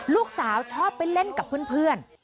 ลูกสาวชอบไปเล่นกับเพื่อน